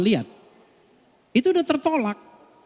lihat itu udah tertolak